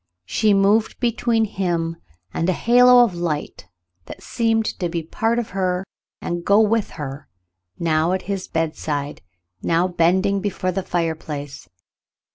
She moved between him and a halo of light that seemed to be a part of her and to go with her,, now at his bedside, now bending before the fireplace.